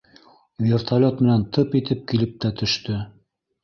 Вертолет менән тып итеп килеп тә төштө.